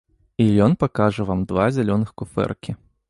І ён пакажа вам два зялёных куфэркі.